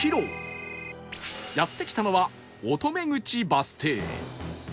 やって来たのは乙女口バス停